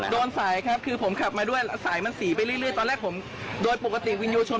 โดนสายครับคือผมขับมาด้วยแล้วสายมันสีไปเรื่อยตอนแรกผมโดยปกติวินโยชน